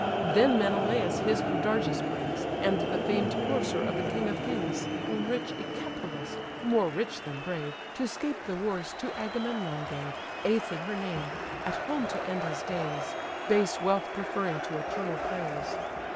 Then Menelaus his Podargus brings, And the famed courser of the king of kings: Whom rich Echepolus (more rich than brave), To 'scape the wars, to Agamemnon gave, (Æthe her name) at home to end his days; Base wealth preferring to eternal praise.